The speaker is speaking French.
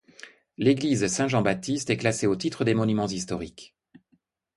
L'église Saint-Jean-Baptiste est classée au titre des Monuments historiques.